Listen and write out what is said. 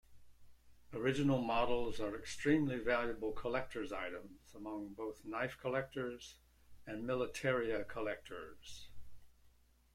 Original models are extremely valuable collector's items among both knife collectors and militaria collectors.